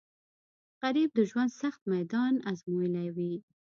غریب د ژوند سخت میدان ازمویلی وي